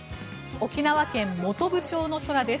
沖縄県本部町の空です。